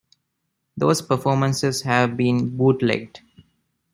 Those performances have been bootlegged.